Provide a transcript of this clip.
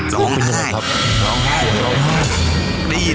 ร้องไห้